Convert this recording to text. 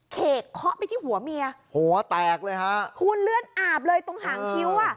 เขกเคาะไปที่หัวเมียหัวแตกเลยฮะคุณเลือดอาบเลยตรงหางคิ้วอ่ะ